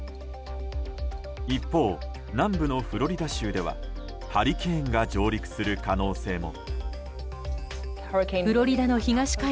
一方、南部のフロリダ州ではハリケーンが上陸する可能性も。